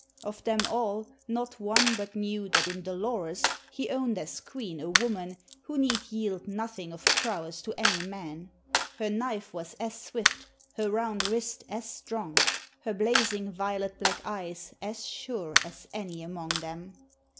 Of them all, not one but knew that in Dolores he owned as queen a woman who need yield nothing of prowess to any man: her knife was as swift, her round wrist as strong, her blazing violet black eyes as sure as any among them.